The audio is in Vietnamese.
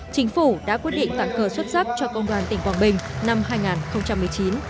chính phủ đã quyết định tặng cờ xuất sắc cho công đoàn tỉnh quảng bình năm hai nghìn một mươi chín